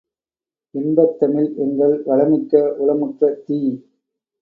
இன்பத்தமிழ் எங்கள் வளமிக்க உளமுற்ற தீ!